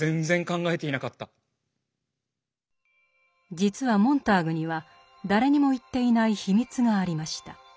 実はモンターグには誰にも言っていない秘密がありました。